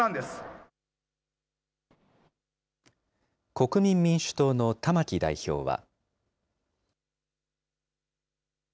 国民民主党の玉木代表は。